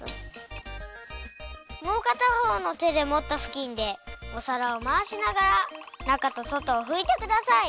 もうかたほうの手でもったふきんでお皿をまわしながら中と外をふいてください。